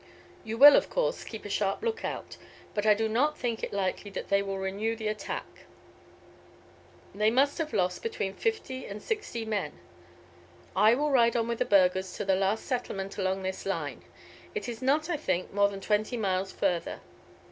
You will, of course, keep a sharp look out; but I do not think it likely that they will renew the attack. They must have lost between fifty and sixty men. I will ride on with the burghers to the last settlement along this line. It is not, I think, more than twenty miles further.